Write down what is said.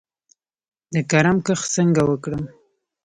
د کرم کښت څنګه وکړم؟